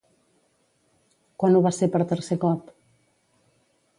Quan ho va ser per tercer cop?